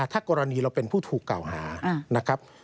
ถ้ากรณีเราเป็นผู้ถูกกล่าวหานะครับ